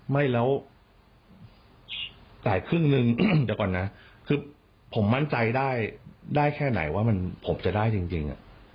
ไม่แล้วจ่ายครึ่งนึงเดี๋ยวก่อนนะคือผมมั่นใจได้แค่ไหนว่าผมจะได้จริง